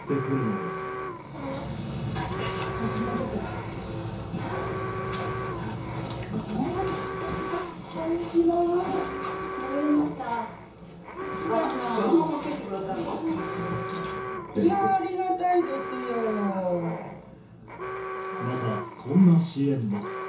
また、こんな支援も。